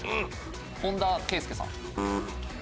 本田圭佑さん。